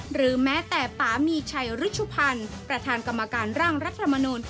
หรือแม้แต่ป่ามีชัยรุชุพันธ์ประธานกรรมการร่างรัฐมนุน